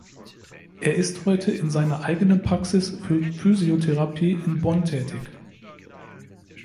Er ist heute in seiner eigenen Praxis für Physiotherapie in Bonn tätig.